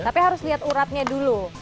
tapi harus lihat uratnya dulu